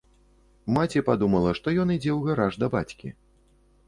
Маці падумала, што ён ідзе ў гараж да бацькі.